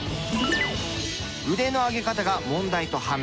腕の上げ方が問題と判明。